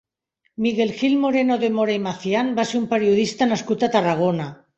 Miguel Gil Moreno de Mora i Macián va ser un periodista nascut a Tarragona.